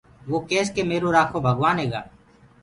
وو ڪيس ڪي ميرو رکو ڀگوآن هيگآ۔